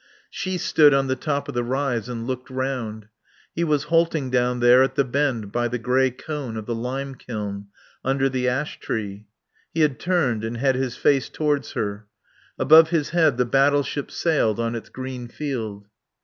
She stood on the top of the rise and looked round. He was halting down there at the bend by the grey cone of the lime kiln under the ash tree. He had turned and had his face towards her. Above his head the battleship sailed on its green field.